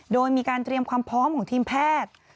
โดยมีการเตรียมความพร้อมของทีมแพทย์